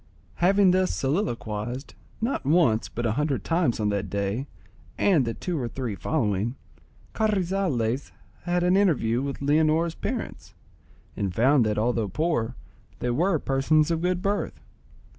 Having thus soliloquised, not once but a hundred times on that day, and the two or three following, Carrizales had an interview with Leonora's parents, and found that, although poor, they were persons of good birth.